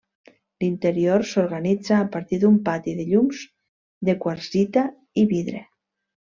L'interior s'organitza a partir d'un pati de llums de quarsita i vidre.